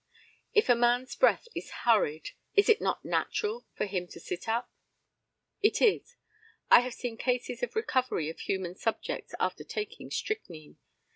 If a man's breath is hurried, is it not natural for him to sit up? It is. I have seen cases of recovery of human subjects after taking strychnine.